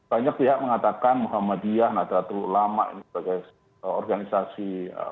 banyak pihak mengatakan muhammadiyah nadatul ulama ini sebagai organisasi